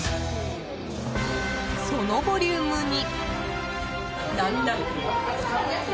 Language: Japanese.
そのボリュームに。